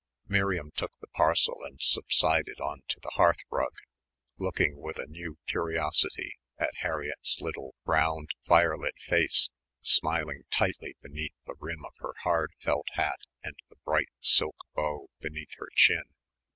Miriam took the parcel and subsided on to the hearthrug, looking with a new curiosity at Harriett's little, round, firelit face, smiling tightly between the rim of her hard felt hat and the bright silk bow beneath her chin.